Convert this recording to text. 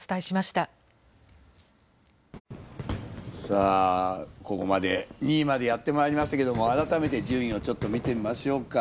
さあここまで２位までやってまいりましたけども改めて順位をちょっと見てみましょうか。